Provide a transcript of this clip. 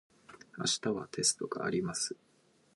明日はテストがあります。